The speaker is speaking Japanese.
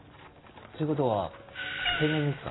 という事は定年ですか？